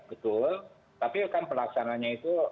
betul tapi kan pelaksananya itu